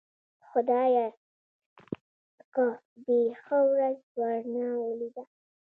خدايکه دې ښه ورځ ورنه ولېده.